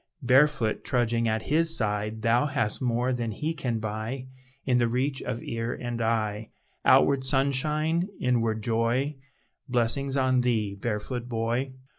Barefoot, trudging at his side, Thou hast more than he can buy In the reach of ear and eye, Outward sunshine, inward joy; Blessings on thee, barefoot boy!